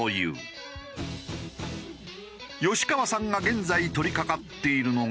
吉川さんが現在取りかかっているのが。